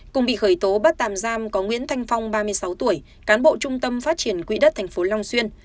cùng bị khởi tố bắt tạm giam có nguyễn thanh phong ba mươi sáu tuổi cán bộ trung tâm phát triển quỹ đất tp long xuyên